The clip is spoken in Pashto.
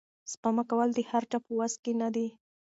سپما کول د هر چا په وس کې نه وي.